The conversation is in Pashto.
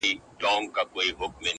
كه بې وفا سوې گراني _